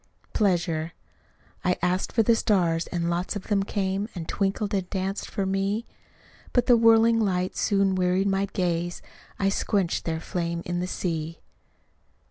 Pleasure I asked for the stars and lots of them came, And twinkled and danced for me; But the whirling lights soon wearied my gaze I squenched their flame in the sea.